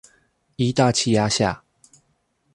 一大氣壓下